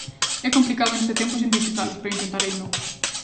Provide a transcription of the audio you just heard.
É complicado neste tempo sintetizalas, pero intentareino.